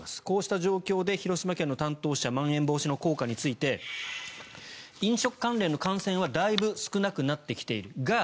こうした状況で広島県の担当者まん延防止効果について飲食関連の感染はだいぶ少なくなってきている。